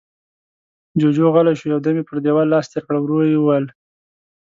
جُوجُو غلی شو، يو دم يې پر دېوال لاس تېر کړ، ورو يې وويل: